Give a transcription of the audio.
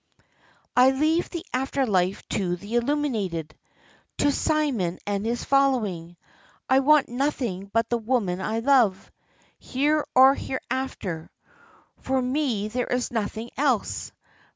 "I leave the after life to the illuminated to Symeon and his following. I want nothing but the woman I love. Here or hereafter, for me there is nothing else.